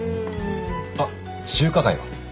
あっ中華街は？